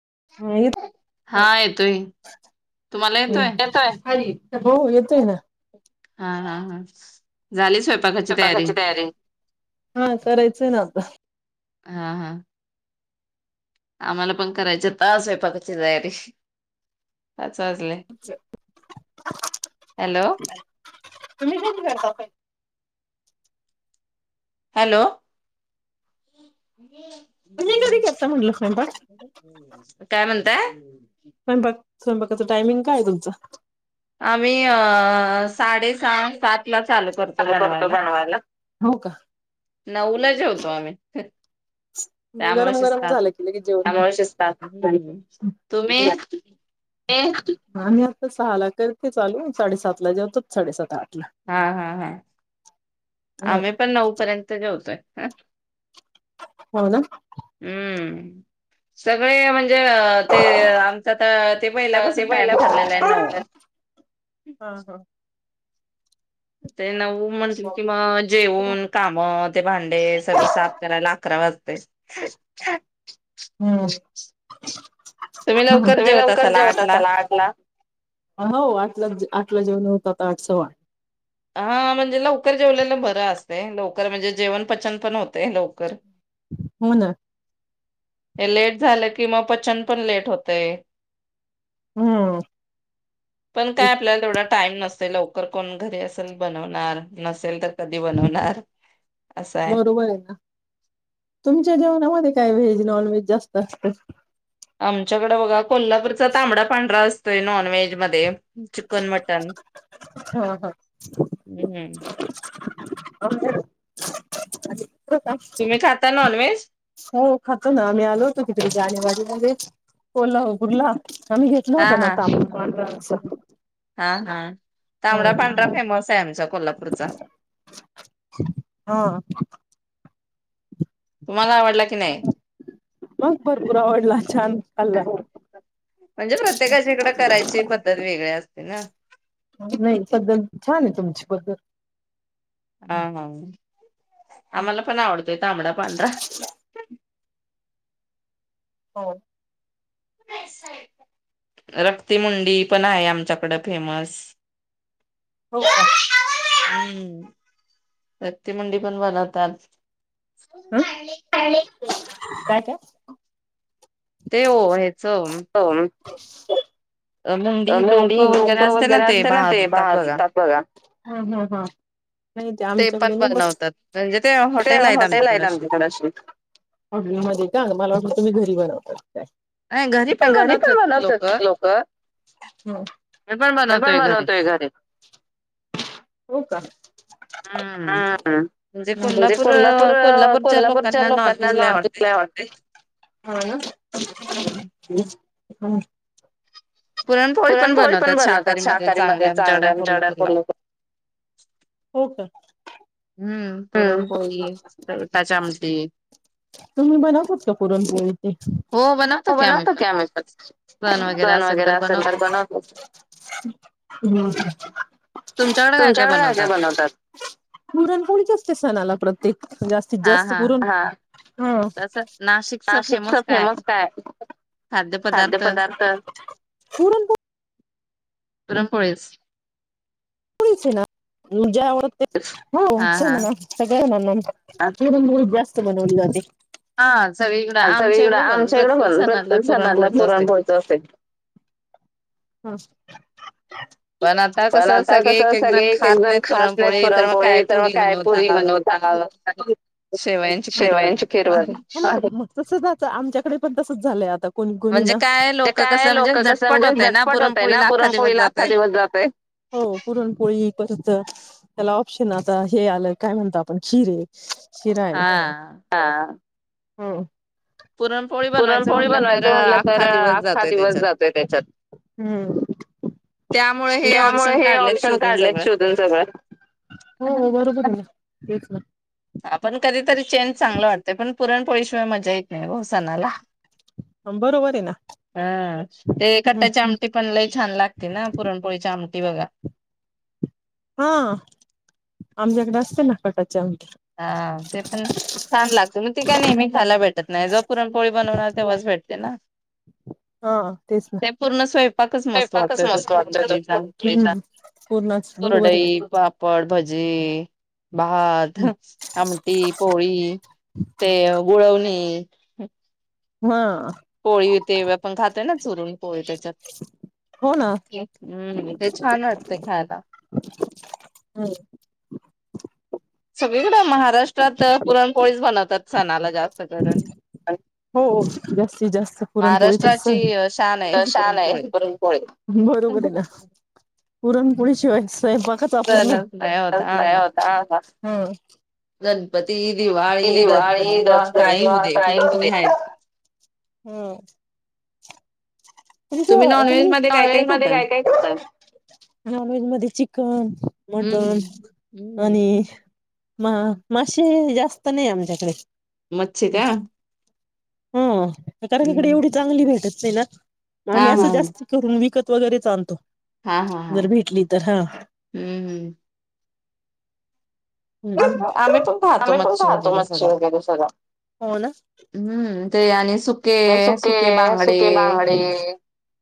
[unintelligible] हा हा हा झाले स्वयंपाकाची तयारी हा करायचंय ना आता हा हा आम्हाला पण करायचा आता स्वयंपाकाची तयारी चाललंय [inaudible] हॅलो तुम्ही कधी करता [unintelligible] हॅलो [inaudible] काय म्हणताय हम् स्वयंपाक स्वयंपाकाच टायमिंग काय तुमचं आम्ही अ साडे सहा सात ला चालू करतो बनवायला नऊला जेवतोआम्ही गरम गरम झालं कि लगेच त्यामुळे शिस्ता [unintelligible] आम्ही आता सहाला करते चालू साडेसात ला जेवतात साडेसातला हा हा हा आम्ही पण नऊ पर्यंत जेवतोय हा [inaudible] हम्म सगळे म्हणजे म्हणजे ते आमच तर ते पहिल्यापासून टाइम ठरलेला आहे नऊ ते नऊ म्हणशिल ती म जेवून काम, ते भांडे सगळं साफ करायला अकरा वाज तयच [unintelligible] हम्म. ह ह तुम्ही लवकर जेवत असाल आटला, हो आठलाच जेव आठला जेवन् तात आठ सवा आ हा म्हणजे लवकर जेवलेलं बरं असतय, लवकर म्हणजे जेवण पचन पण होतय लवकर हो ना हे लेट झालं की मग, पचन पण लेट होतय. पण काय आपल्याला तेवढा टाईम नसतय, लवकर कोण घरी असेल बनवणार, नसेल तर कधी बनवणार बरोबर ये ना, तुमच्या जेवणामध्ये काय व्हेज नॉन व्हेज जास्त असत. आमच्याकड बघा कोल्हापूरचा तांबडा पांढरा अस तोय, नॉन व्हेज मध्ये चिकन मटन हा हा. [unintelligible] आली. [unintelligible] का, हो खातो ना आम्ही आलो होतो तिकडे जानेवारी मध्ये कोलहा पूरला आम्ही घेतल होत ना ताम पांढरा रस्सा तांबडा पांढरा फेमस हाय आमच्या कोल्हापूरचा माला आवडला की नाई, [unintelligible] म्हणजे प्रत्येकाच्या हिकड करायची पद्धत वेगळी आस ते ना नई [unintelligible] छान ये तुमची पद्धत हा हा आम्हाला पण आवडतोय तांबडा पांढरा हो. [unintelligible] रक्ती मुंडी पण आहे आमच्याकड फेमस हो का? [unintelligible] उ रक्त मुंडी पण बनवतात. [unintelligible] काय काय? ते ओ हेचम च अ मुंडी डोक वगैरे असते ना ते भाजतात बघा, हा हा हा नाई ते आमच्याकडे नई बस, ते हॉटेल आहेत आमच्याकडे अशी, हॉटेलमध्ये का मला वाटत तुम्ही घरी बनव करताय अ घरी पण बनवतात लोकं. हे पण बनवतोय घरी. हो का? हां कोल्हापूर कोल्हापूरच्या लोकांना नॉनवेज लय आवडते हा ना. हम्म. पुरणपोळी पण बनवतात शाकाहारीमध्ये चांगल्यामच्याड्या कोल्हापूरला. हो का? हम्म, पुरणपोळी टाच्या आमटी तुम्ही बनवतात का पुरणपोळी ते? हो बनवतात की आम्ही पण सण वगैरे असेल तर बनवतो. [unintelligible] तुमच्याकडे काय-काय बनतात? पुरणपोळीच असते सणाला प्रत्येक. जास्तीत जास्त करून हा. हो, नाशिकचा फेमस काय खाद्य पदार्थ पुरणपो पुरणपोळीच ळीच आहे ना, ज्या आवडते हो स ना ना सगळंया जना [unintelligible] जास्त बनवली जाते. सगळीकडं आमच्या इकडं पण प्रत्येक सणाला पुरणपोळच असते हा. पण आता कसं का कसं सगळे एक-एक जण खात नाहीत पुरणपोळी तर मग काय पोरी बनवता शेवयांची खीर बन तसचं तर आमच्याकडे पण तसंच झालंय आता. कोणीकोणी ना ते काय लोकं कसं म्हणजे झटपट होतय ना पुरणपोळीला आख्खा दिवस जातय. हो पुरण पोळी परंत त्याला ऑप्शन आता हे आलं काय म्हणता आपण खिरे खिराय हा. हो. पुरणपोळी बनवायचा म्हटलं तर आख्खा दिवस जातोय त्याच्यात, हम्म. त्या त्यामुळे हे ऑप्शन काढलेत शोधून सगळं, हो बरोबर बोलला तेच ना. ते तर चेंज चांगलं वाटतय पण पुरणपोळीशिवाय मज्जा येत नाही हो सणाला. हा ते कट्ट्याची आमटी पण लय छान लागते. ना पुरणपोळीची [unintelligible] मती बघा हां आमच्याकडे असते ना कटाची आमटी. हा ते पण छान लागत मग ते ते नेहमी खायला भेटतं. [unintelligible] भटत नाही जो पुरण पोळी बनवणार तेव्हाच भेटते ना [unintelligible] ते पूर्ण स्वयंपाकच मस्त वाटतोय तो पुरणपोळीचा कुरडई पापड भ जे भात आमटी पोळी ते गुळवणी ते हे हां पोळी ते अ आपण खातेय ना चुरून पोळी त्याच्यात [unintelligible] हं हं ते छान वाटतेंय खायला. हं सगळीकड महाराष्ट्रात अ-पुरणपोळीच बनवतात सणाला जा हो जास्तीत जास्त पुरणपोळीच अस तर शान आहे पुरणपोळी हं बरोबर येना. पुरणपोळी शिवाय स्वयंपाकच अपूर्णय [unintelligible] हं गणपत ती दिवाळी, दसरा काही येऊदे पुरणपोळी आहेच. हं तुमचं अजून नॉनव्हेज मध्ये काय काय खाता? नॉनव्हेज मध्ये चिकन, मटन आणि मा माशे जास्त नाही आमच्याकडे मच्छि का हं कारण इकडे एवढी चांगली भेटत नाहीना. आम्ही असं जास्त करून विकत वगैरेच आणतो आ हां हां हं हं आम्ही पण खातो मच्छी वगैरे सगळं हो ना सुके सुके बांगडे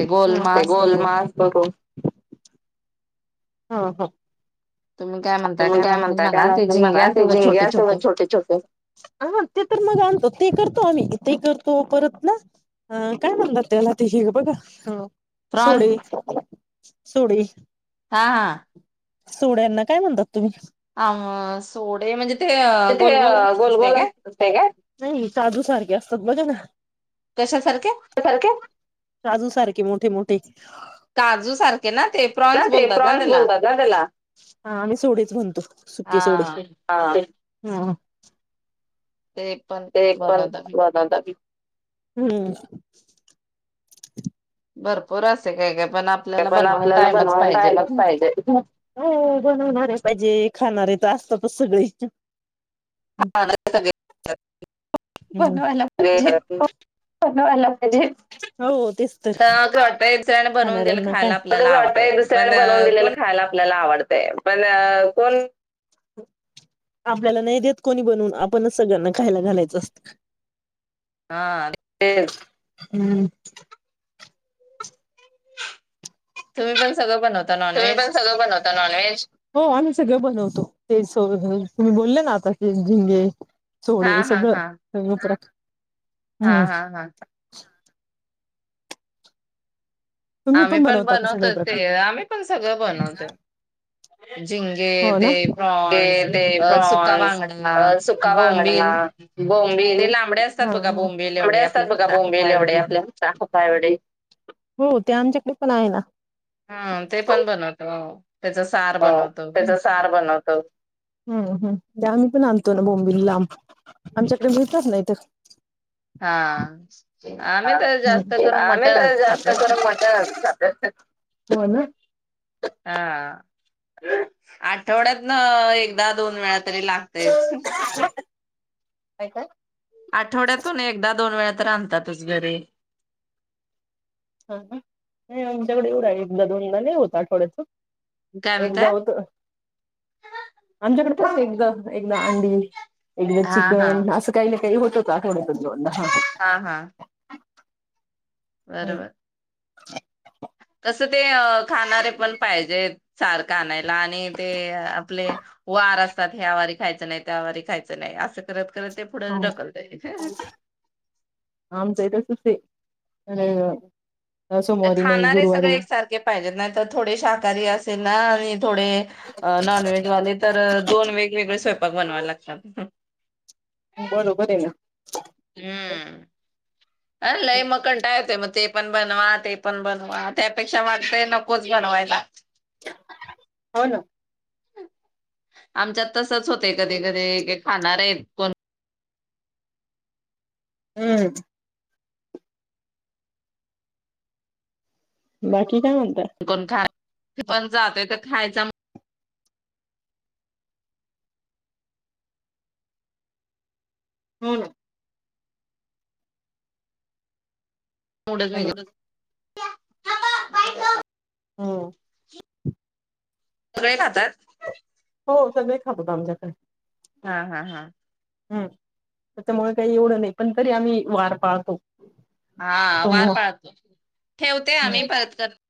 हं ते गोलमा असतो तो. हा हा मग काय म्हणता काय म्हणत मला ते झिंगे असे छोटे छोटे ते तर मग आणतो ते करत ो आम्ही इ तेही करतो परत ना काय म्हणतात त्याला ते बघा, सोडे सुडी हा हा सूड्यांना काय म्हणतात. ुम् तथे गोलगोल काय नाही साजू सारखे अस तत बज ना ारख काजू सारखे मोठे मोठे ते काजू सारखा, ना ते प्रॉन्स बोलतात ना त्याला हा मम्ही सोडेच म्हणतो सुक्के सोडे हम् ते एक पण बता क हम्म भरपूर असे काय का ते पण आपल्याला बनवायला टाइमच पाहिजे हो बनवणारे पाहिजे खाणारे त असतात सगळी ह [unintelligible] हम् ते ला पाहिजे हो ह घराटा [unintelligible] खाणाऱ्यांना काय, [unintelligible] एक दुसऱ्या बनवून दिलेलं खायला आपल्याला आवडत पण कोण आपल्याला नाही देत कोणी बनवून, आपणच सगळ्यांना खायला घालायचं असत. हा हम्म तुम्ही पण सगळं बनवत तुम्ही पण सगळं बनवता नॉनव्हेज हो आम्ही सगळं बनवतो. तेच तुम्ही बोलले ना आता क झिंगे सोडे सगळं म पर हा-हा-हा. आम्ही पण बनवतोय, ते आम्ही पण सगळं बनवतोय. हो ना? ते ते प्रॉन्स, सुका बांगड, बोंबिल एवडे असतात बघा बोंबिल एवढे आपल्या हता हता एवढे. ते आमच्याकडे पण आहे ना. त्याच सार बनवतो. ते आम्ही पण आणतो. बोंबिलां आमच्याकडे मिळतच नाही तर. आम्ही तर जास्त करून मटन खातोय. होय ना? आठवड्यात नं एकदा, दोन वेळा तरी लागतयचं. काय काय? आठवड्यातून एकदा दोन वेळा तर आणतातच घरी. हां, नाही आमच्याकडे येऊ रा एकदा दोनदा नाही होता आठवड्याचं. एकदा होतं. आमच्याकडे त एकदा. एकदा अंडी, एकदा चिकन, असं काही ना काही होत् तकाकडतन [unintelligible] बरोबर [unintelligible] असं ते अं खाणारे पण पाहिजेत. सारखं आणायला आणि ते आपले वार असतात ह्या वारी खायचं नाही त्या वारी खायचं नाही असं करत करत हं, आमचइ तसच. ते, [unintelligible] खाणारे सगळे एकसारखे पाहिजेत नाहीत थोडे शाकाहारी अस् ते ना आणि थोडे नॉनव्हेज वाले तर दोन वेगवेगळे स्व बघ बनवायला लागतात. बरोबर आहे ना. हम्म! आ लई म कंटाळा येतोय म ते पण बनवा ते पण बनवा त्यापेक्षा वाटतयं नकोच बनवायला. हो, ना. आमच्यात तसचं होतयं, कधी कधी ये खाणार आहेत कोण? हम्. बाकी आणि काय म्हणताय? पण जातोय तर खायचा हो. हॅलो. [unintelligible] हम. सगळे खातात? सगळे खातात आमच्याकडे. हा हा हा. हम्. त्याच्यामुळे काही एवढं नाही. पण तरी आम्ही, वार पालतो. हा, वार पाळतो ठेवते आम्ही परत करत.